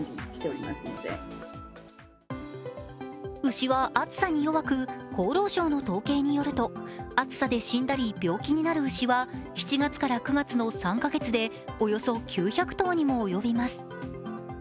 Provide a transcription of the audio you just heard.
牛は暑さに弱く、厚労省の統計によると、暑さで死んだり病気になる牛は７月から９月の３か月でおよそ９００頭にも及びます。